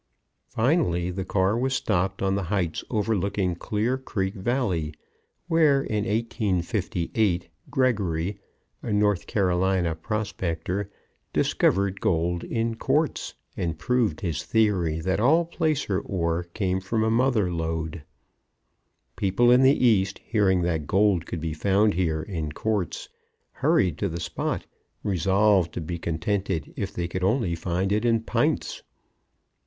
Finally, the car was stopped on the heights overlooking Clear Creek Valley, where, in 1858, Gregory, a North Carolina prospector, discovered gold in quartz and proved his theory that all placer ore came from a mother lode. People in the East, hearing that gold could be found here in quartz, hurried to the spot, resolved to be contented if they could only find it in pints.